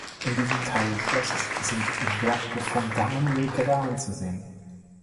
In diesem Teil des Schlosses sind Werke von Daniel Gran zu sehen.